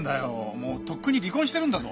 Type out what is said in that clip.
もうとっくに離婚してるんだぞ。